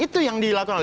itu yang dilakukan